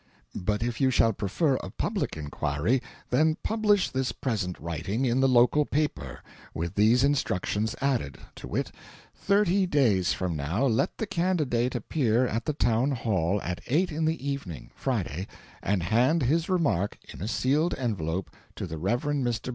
"But if you shall prefer a public inquiry, then publish this present writing in the local paper with these instructions added, to wit: Thirty days from now, let the candidate appear at the town hall at eight in the evening (Friday), and hand his remark, in a sealed envelope, to the Rev. Mr.